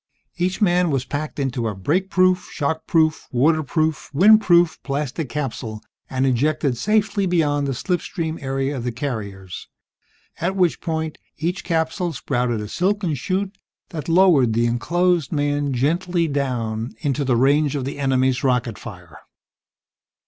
Each man was packed into a break proof, shock proof, water proof, wind proof plastic capsule, and ejected safely beyond the slipstream area of the carriers, at which point, each capsule sprouted a silken chute that lowered the enclosed men gently down into range of the enemy's rocket fire